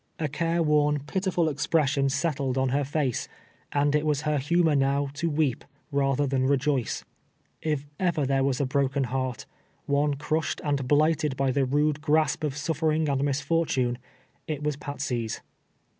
A care worn, pitiful expression settled on her face, and it was her humor now to weep, rather than rejoice. If ever there was a broken heart —■ one crushed and blighted by the rude grasp of suffer ing and misfortune — it was Patsey's.